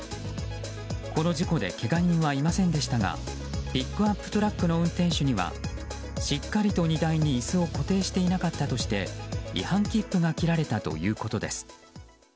この事故でけが人はいませんでしたがピックアップトラックの運転手にはしっかりと荷台に椅子を固定していなかったとして違反切符が切られたということです。